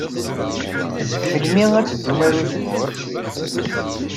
Melmi ara teddum ɣer uzemmur?